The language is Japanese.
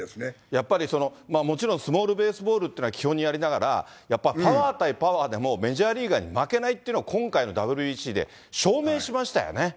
やっぱり、もちろんスモールベースボールというのは、基本にありながら、やっぱパワー対パワーでも、メジャーリーガーに負けないっていうのは、今回のＷＢＣで証明しましたよね。